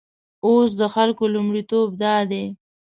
اوس د خلکو لومړیتوب دادی.